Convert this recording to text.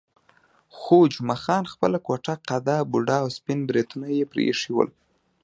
خو جمعه خان خپله کوټه قده، بوډا او سپین بریتونه یې پرې ایښي ول.